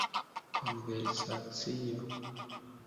konversacio